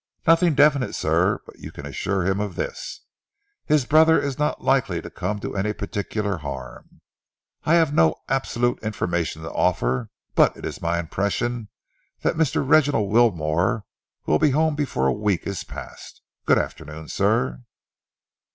"Nothing definite, sir, but you can assure him of this. His brother is not likely to come to any particular harm. I have no absolute information to offer, but it is my impression that Mr. Reginald Wilmore will be home before a week is past. Good afternoon, sir."